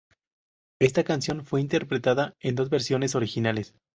Ésta canción fue interpretada en dos versiones originales.